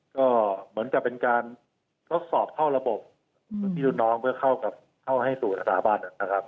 ก็เหมือนจะเป็นการสอบเข้าระบบที่รุ่นน้องเข้าให้สู่สถาบันนะครับ